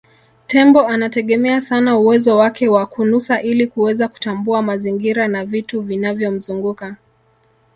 Tembo anategemea sana uwezo wake wa kunusa ili kuweza kutambua mazingira na vitu vinavyomzunguka